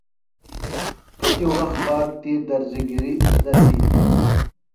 کتیۡ وخت باد تی درزیۡ گِری اِزدہ تِھیلیۡ۔